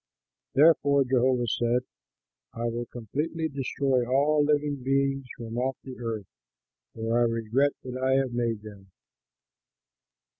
Therefore, Jehovah said, "I will completely destroy all living beings from off the earth, for I regret that I have made them."